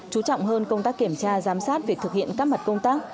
chú trọng hơn công tác kiểm tra giám sát việc thực hiện các mặt công tác